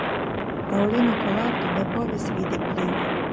Fraŭlino Kolardo ne povis vidi plion.